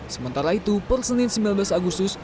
sementara itu per senin sembilan belas agustus